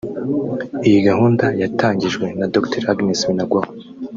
Iyi gahunda yatangijwe na Dr Agnes Binagwaho